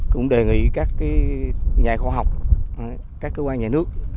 cũng đề nghị các nhà khoa học các cơ quan nhà nước